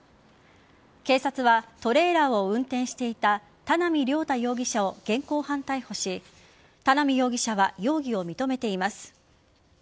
警察はトレーラーを運転していた田名見良太容疑者を現行犯逮捕し田名見容疑者は容疑を認めています。